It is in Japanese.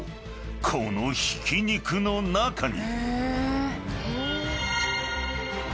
このひき肉の中に］